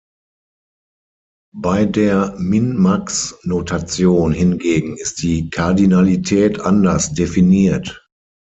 Bei der Min-Max-Notation hingegen ist die Kardinalität anders definiert.